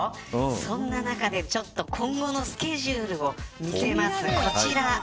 そんな中で今後のスケジュールを見せます。